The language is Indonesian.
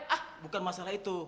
ah bukan masalah itu